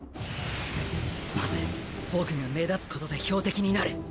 まず僕が目立つことで標的になる